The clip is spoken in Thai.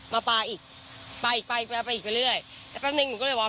มาปลาอีกปลาอีกไปปลาไปอีกไปเรื่อยสักแป๊บนึงหนูก็เลยบอก